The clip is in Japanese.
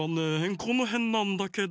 このへんなんだけど。